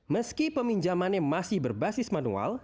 meski peminjamannya masih berbasis manual